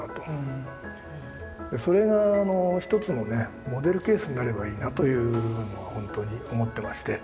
それがあの一つのねモデルケースになればいいなというのは本当に思ってまして。